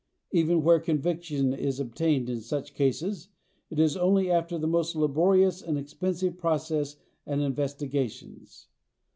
Even where conviction is obtained in such cases it is only after the most laborious and expensive processes and investigations.